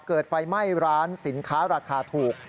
เกิดไฟไหม้ร้านสินค้าราคาถูก